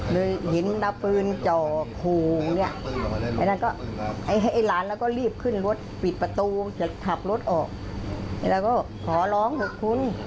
มีประตูจะถับรถออกแล้วก็ขอร้องบอกคุณ